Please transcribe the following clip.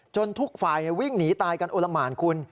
ทุกฝ่ายวิ่งหนีตายกันโอละหมานคุณ